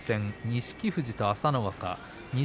錦富士と朝乃若錦